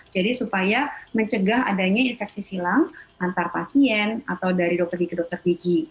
jadi supaya mencegah adanya infeksi silang antar pasien atau dari dokter gigi ke dokter gigi